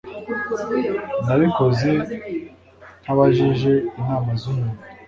Nabikoze ntabajije inama zumuntu